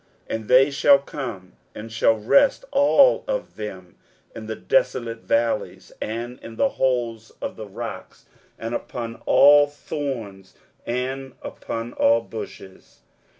23:007:019 And they shall come, and shall rest all of them in the desolate valleys, and in the holes of the rocks, and upon all thorns, and upon all bushes.